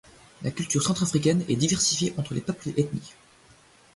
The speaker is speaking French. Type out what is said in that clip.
La culture centrafricaine est diversifiée entre les peuples et ethnies.